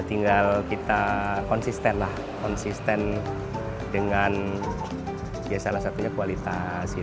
tinggal kita konsisten lah konsisten dengan salah satunya kualitas